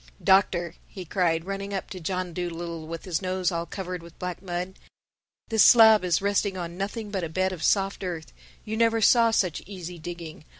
"Doctor," he cried, running up to John Dolittle with his nose all covered with black mud, "this slab is resting on nothing but a bed of soft earth. You never saw such easy digging.